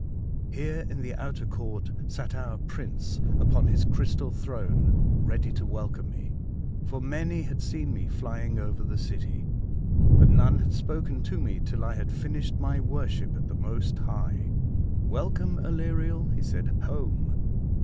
Here, in the outer court, sat our prince upon his crystal throne, ready to welcome me, for many had seen me flying over the city, but none had spoken to me till I had finished my worship of the Most High. ''Welcome, Aleriel, he said, home